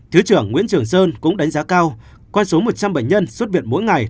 thứ trưởng nguyễn trường sơn cũng đánh giá cao qua số một trăm linh bệnh nhân xuất viện mỗi ngày